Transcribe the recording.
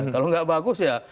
kalau nggak bagus ya